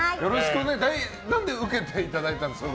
何で受けていただいたんですか？